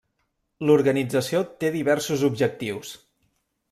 L'organització té diversos objectius.